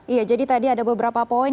iya jadi tadi ada beberapa poin